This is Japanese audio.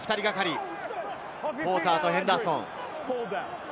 ポーターとヘンダーソン。